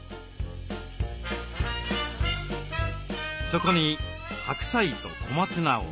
そこに白菜と小松菜を。